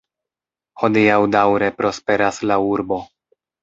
Hodiaŭ daŭre prosperas la Urbo.